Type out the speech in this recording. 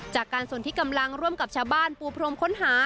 จากการส่วนที่กำลังร่วมกับชาวบ้านปูพรมค้นหา